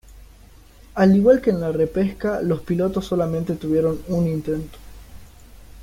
Al igual que en la repesca, los pilotos solamente tuvieron un intento.